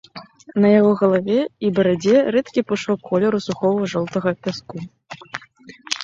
На яго галаве і барадзе рэдкі пушок колеру сухога жоўтага пяску.